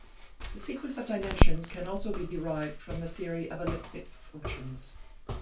The sequence of dimensions can also be derived from the theory of elliptic functions.